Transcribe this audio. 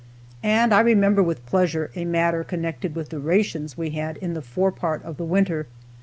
And I remember with pleasure a matter connected with the rations we had in the fore part of the winter.